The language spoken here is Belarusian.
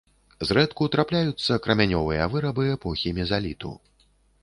Зрэдку трапляюцца крамянёвыя вырабы эпохі мезаліту.